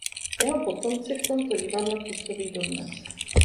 Jeho potomci v tomto divadle působí dodnes.